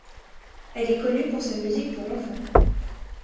Elle est connue pour sa musique pour enfants.